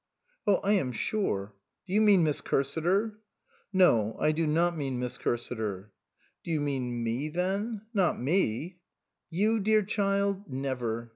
" Oh, lam sure Do you mean Miss Cursiter?" " No, I do not mean Miss Cursiter." " Do you mean me then ? Not me ?"" You, dear child ? Never.